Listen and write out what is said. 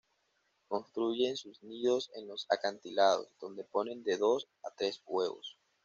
Construyen sus nidos en los acantilados, donde ponen de dos a tres huevos.